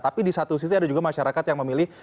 tapi di satu sisi ada juga masyarakat yang memilih